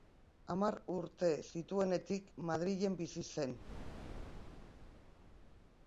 Hamar urte zituenetik Madrilen bizi zen.